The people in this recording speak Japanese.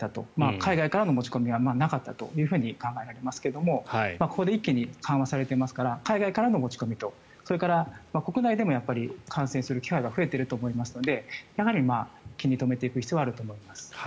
海外からの持ち込みがなかったと考えられますがここで一気に緩和されていますから海外からの持ち込みとそれから国内でも感染する機会が増えていると思いますのでやはり気に留めていく必要はあると思います。